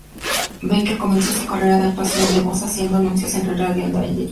Baker comenzó su carrera de actuación de voz haciendo anuncios de radio en Dallas.